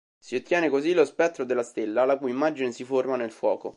Si ottiene così lo spettro della stella la cui immagine si forma nel fuoco.